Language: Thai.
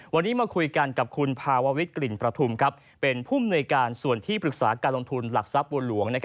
วันนี้มาคุยกันกับคุณภาววิทย์กลิ่นประทุมเป็นผู้มนุยการส่วนที่ปรึกษาการลงทุนหลักทรัพย์บัวหลวง